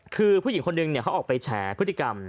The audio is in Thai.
คือผู้หญิงคนนึงเขาออกไปแฉพฤติกรรม